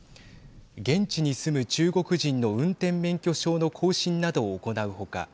現地に住む中国人の運転免許証の更新などを行う他